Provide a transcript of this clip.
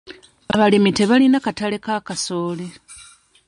Abalimi tebalina katale ka kasooli.